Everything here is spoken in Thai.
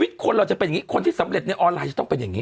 อ๋อต้องนี้ให้ใส่